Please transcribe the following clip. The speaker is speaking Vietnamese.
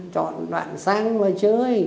chọn bạn sang mà chơi